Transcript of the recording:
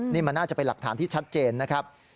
นี่มันน่าจะเป็นหลักฐานที่ชัดเจนนะครับ